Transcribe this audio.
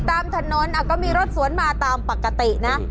ตามถนนก็มีรถสวนมาตามปกตินะ